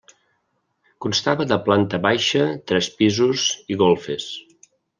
Constava de planta baixa, tres pisos i golfes.